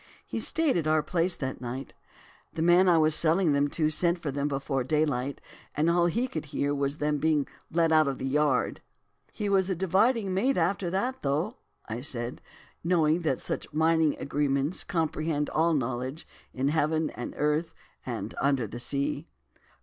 He stayed at our place that night. The man I was selling them to sent for them before daylight, and all he could hear was them being let out of the yard.' "'He was a dividing mate after that, though?' said I, knowing that such mining agreements comprehend all knowledge in heaven and earth, and under the sea.